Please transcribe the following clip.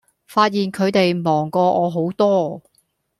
發現佢地忙過我好多